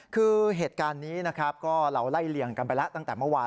คือเหตุการณ์นี้นะครับก็เราไล่เลี่ยงกันไปแล้วตั้งแต่เมื่อวาน